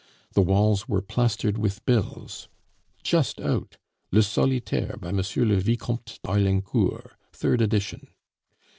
The walls were plastered with bills: JUST OUT. LE SOLITAIRE, by M. le Vicomte d'Arlincourt. Third edition.